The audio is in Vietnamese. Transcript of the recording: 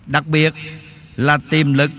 đặc biệt là tiềm lực